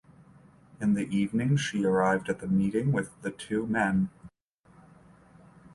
In the evening she arrived at the meeting with the two men.